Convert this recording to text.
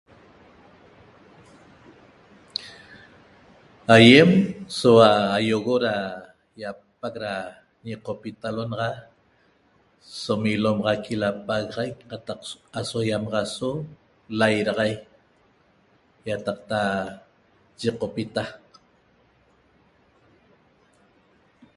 Aiem sa aioxo da iapay da ñocpita naxa so lomaxaqui lapaxaiq cataq iamaxaso laraxaic iataqta ñoqpita